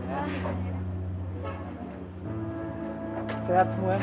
tata saya tipis senjata selidiki